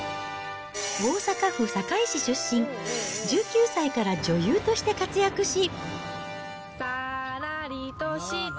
大阪府堺市出身、１９歳から女優として活躍し。